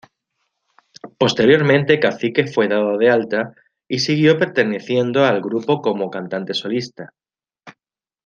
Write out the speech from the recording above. Posteriormente, Cacique fue dado de alta, y siguió perteneciendo al grupo como cantante solista.